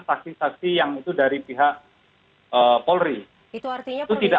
taktik taktik yang itu dari pihak polri